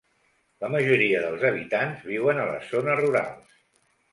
La majoria dels habitants viuen a les zones rurals.